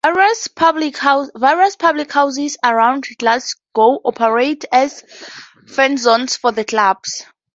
Various public houses around Glasgow operate as Fanzones for the club.